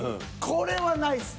これはないっす。